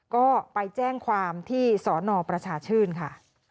ก็ไปแจ้งความที่สนประชาชื่นค่ะ